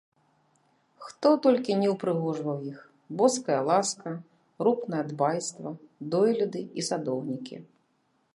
Хто толькі не ўпрыгожваў іх — Боская ласка, рупнае дбайства, дойліды і садоўнікі.